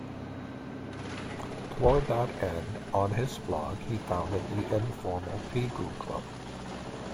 Toward that end, on his blog he founded the informal Pigou Club.